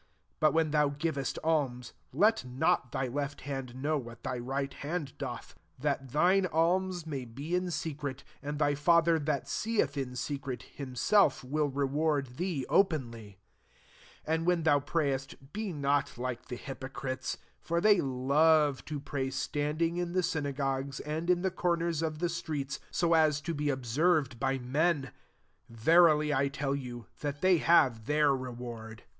3 But when thou givest alms, let not thy left hand know what thy riglit hand doth : 4 that thine alms may be in secret : and thy Father that seeth in secret E himself] will reward thee o/ienlyJ] 5 " And when thou prayest, be not like the hypocrites: for they love to pray standing in the synagogues and in the corners of the streets, so as to be ob served by mciu Verily I tell you, that they have their re ward.